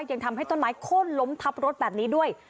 ยังทำให้ต้นไม้โค้นล้มทับรถแบบนี้ด้วย